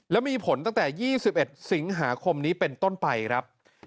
และมีผลตั้งแต่๒๑สิงหาคมนี้เป็นต้นไปครับ